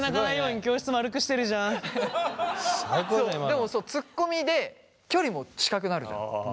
でもそうツッコミで距離も近くなるじゃん。